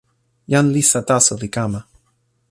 jan Lisa taso li kama.